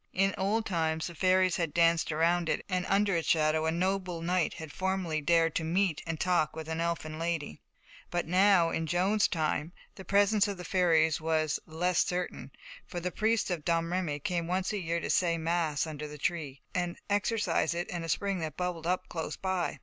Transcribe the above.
In old times the fairies had danced round it, and under its shadow a noble knight had formerly dared to meet and talk with an elfin lady. But now, in Joan's time, the presence of the fairies was less certain, for the priest of Domremy came once a year to say mass under the tree, and exorcise it and a spring that bubbled up close by.